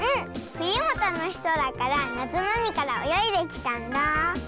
ふゆもたのしそうだからなつのうみからおよいできたんだ。